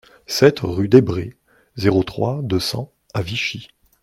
sept rue Desbrest, zéro trois, deux cents à Vichy